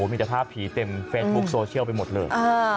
มีแต่ภาพผีเต็มเฟซบุ๊คโซเชียลไปหมดเลย